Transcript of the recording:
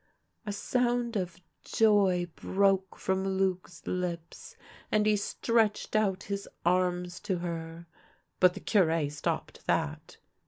'' A sound of joy broke from Luc's lips, and he stretched out his arms to her, but the Cure stopped that.